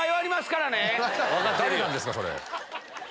それ。